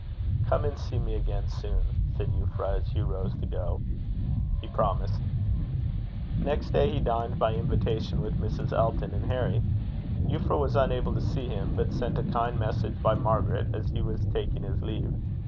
"Come and see me again soon," said Euphra, as Hugh rose to go. He promised. Next day he dined by invitation with Mrs. Elton and Harry. Euphra was unable to see him, but sent a kind message by Margaret as he was taking his leave.